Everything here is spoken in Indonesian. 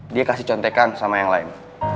dia kasih contekan sama yang lain